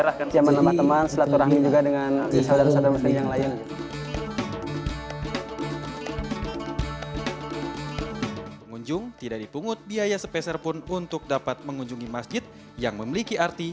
hai pengunjung tidak dipungut biaya spesial pun untuk dapat mengunjungi masjid yang memiliki arti